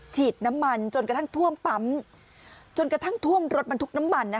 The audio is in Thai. ฉีดน้ำมันจนกระทั่งท่วมปั๊มจนกระทั่งท่วมรถบรรทุกน้ำมัน